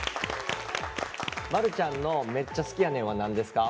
丸ちゃんの「めっちゃ好きやねん！」は何ですか？